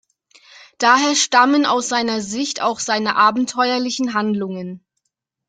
Daher stammen aus seiner Sicht auch seine abenteuerlichen Handlungen.